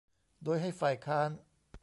โดยให้ฝ่ายค้าน